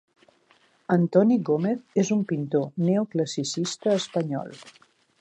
Antoni Gómez és un pintor neoclassicista espanyol.